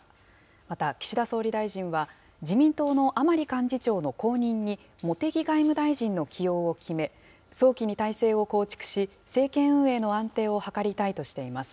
また、岸田総理大臣は、自民党の甘利幹事長の後任に茂木外務大臣の起用を決め、早期に体制を構築し、政権運営の安定を図りたいとしています。